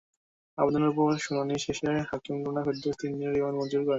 আবেদনের ওপর শুনানি শেষে হাকিম লুনা ফেরদৌস তিন দিনের রিমান্ড মঞ্জুর করেন।